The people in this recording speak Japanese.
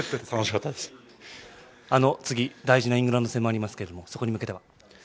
次、大事なイングランド戦もありますがそこに向けては？